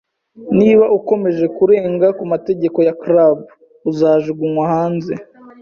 Niba ukomeje kurenga ku mategeko ya club, uzajugunywa hanze.